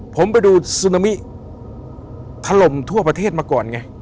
ผมไปดูซูนามิถล่มทั่วประเทศมาก่อนไง